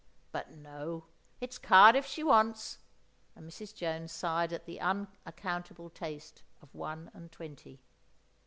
But no, it's Cardiff she wants," and Mrs. Jones sighed at the unaccountable taste of one and twenty!